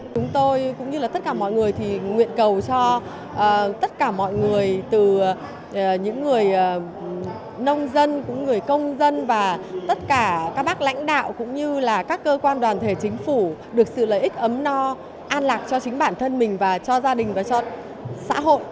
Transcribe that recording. chúng tôi cũng như là tất cả mọi người thì nguyện cầu cho tất cả mọi người từ những người nông dân cũng người công dân và tất cả các bác lãnh đạo cũng như là các cơ quan đoàn thể chính phủ được sự lợi ích ấm no an lạc cho chính bản thân mình và cho gia đình và cho xã hội